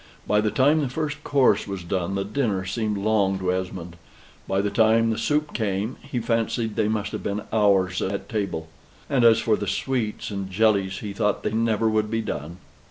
By the time the first course was done the dinner seemed long to Esmond; by the time the soup came he fancied they must have been hours at table: and as for the sweets and jellies he thought they never would be done.